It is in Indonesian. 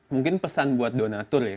mungkin pesan buat donatur ya